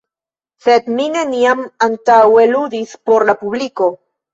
Sed mi neniam antaŭe ludis por la publiko.